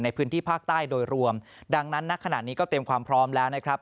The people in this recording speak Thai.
ในพื้นที่ภาคใต้โดยรวมดังนั้นณขณะนี้ก็เตรียมความพร้อมแล้วนะครับ